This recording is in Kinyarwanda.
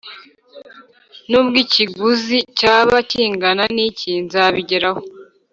nubwo ikiguzi cyaba kingana iki, nzabigeraho.